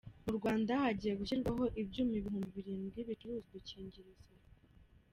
Mu Rwanda hagiye gushyirwaho ibyuma Ibihumbi Birindwi bicuruza udukingirizo